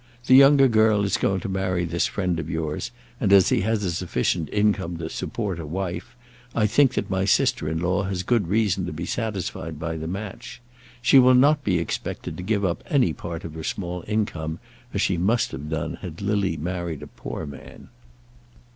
The younger girl is going to marry this friend of yours, and as he has a sufficient income to support a wife, I think that my sister in law has good reason to be satisfied by the match. She will not be expected to give up any part of her small income, as she must have done had Lily married a poor man."